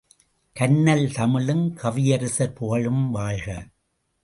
கன்னல் தமிழும் கவியரசர் புகழும் வாழ்க.